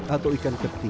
atau ikan ketim